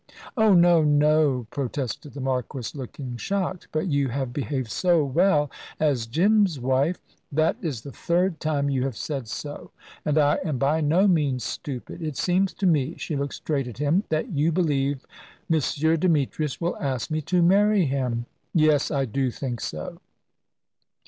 "Oh no, no," protested the Marquis, looking shocked; "but you have behaved so well as Jim's wife " "That is the third time you have said so, and I am by no means stupid. It seems to me," she looked straight at him, "that you believe M. Demetrius will ask me to marry him." "Yes, I do think so."